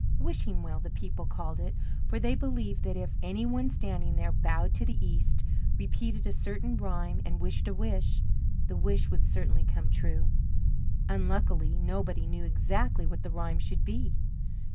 "Wishing Well," the people called it, for they believed that if any one standing there bowed to the East, repeated a certain rhyme and wished a wish, the wish would certainly come true. Unluckily, nobody knew exactly what the rhyme should be.